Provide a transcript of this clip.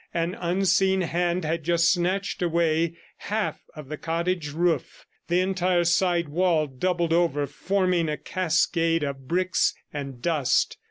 An unseen hand had just snatched away half of the cottage roof. The entire side wall doubled over, forming a cascade of bricks and dust.